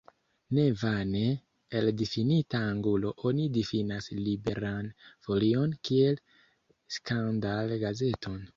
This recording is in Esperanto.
Ne vane, el difinita angulo oni difinas Liberan Folion kiel skandal-gazeton.